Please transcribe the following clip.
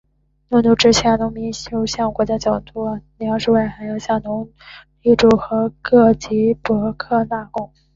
农奴制下的农民除向国家缴纳钱粮外还要向农奴主和各级伯克纳贡。